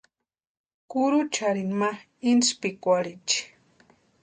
Kurucharini ma intsïpikwarhichi.